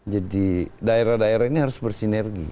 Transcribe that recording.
jadi daerah daerah ini harus bersinergi